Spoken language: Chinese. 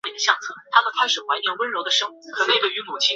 这是我们来的原因。